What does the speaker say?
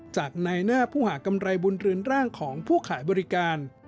จากในหน้าผู้หากำไรบุญเรือนร่างของผู้ขายบริการ